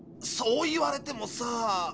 そう言われてもさ。